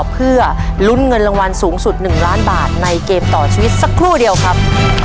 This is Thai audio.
เพื่อลุ้นเงินรางวัลสูงสุด๑ล้านบาทในเกมต่อชีวิตสักครู่เดียวครับ